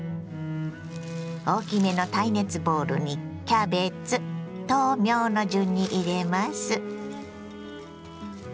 大きめの耐熱ボウルにキャベツ豆苗の順に入れます。